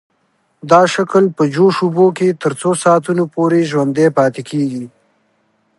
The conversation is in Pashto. دا شکل په جوش اوبو کې تر څو ساعتونو پورې ژوندی پاتې کیږي.